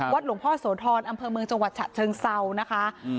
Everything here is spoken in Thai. หลวงพ่อโสธรอำเภอเมืองจังหวัดฉะเชิงเซานะคะ